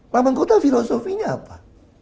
taman kota filosofinya apa